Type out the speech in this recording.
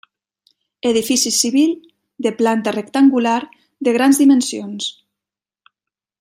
Edifici civil de planta rectangular de grans dimensions.